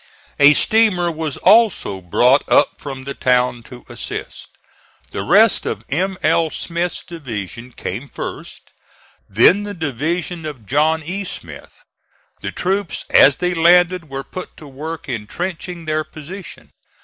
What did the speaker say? A steamer was also brought up from the town to assist. The rest of M. L. Smith's division came first, then the division of John E. Smith. The troops as they landed were put to work intrenching their position.